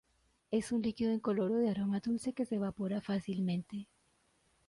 Es un líquido incoloro de aroma dulce que se evapora fácilmente.